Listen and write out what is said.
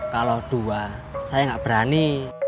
kalau dua saya nggak berani